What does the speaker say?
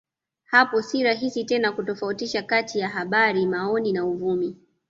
Hapo si rahisi tena kutofautisha kati ya habari maoni na uvumi